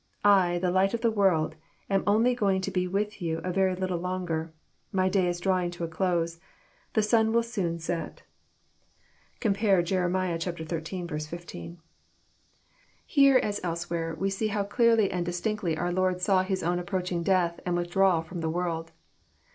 •* I, the Light of the world, am only going to be with you a very little longer. My day is drawing to a close. The sun will soon set." (Compare Jer. xiii. 15.) Here, as elsewhere, we see how clearly and distinctly oar JOHN, CHAP. xn. 363 Lord saw His own approaching death and withdrawal Aroin the world.